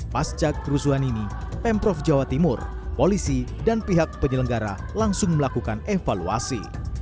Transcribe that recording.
pasca kerusuhan ini pemprov jawa timur polisi dan pihak penyelenggara langsung melakukan evaluasi